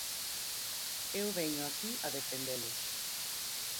Eu veño aquí a defendelos.